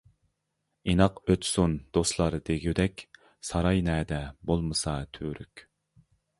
ئىناق ئۆتسۇن دوستلار دېگۈدەك، ساراي نەدە بولمىسا تۈۋرۈك.